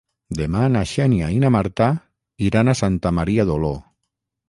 Demà na Xènia i na Marta iran a Santa Maria d'Oló.